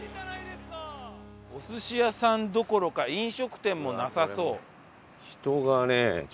お寿司屋さんどころか飲食店もなさそう。